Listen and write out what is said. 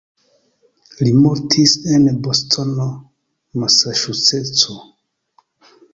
Li mortis en Bostono, Masaĉuseco.